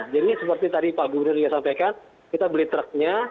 jadi seperti tadi pak gubernur juga sampaikan kita beli truknya